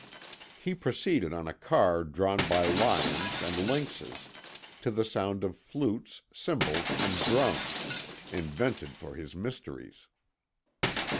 He proceeded on a car drawn by lions and lynxes, to the sound of flutes, cymbals, and drums, invented for his mysteries.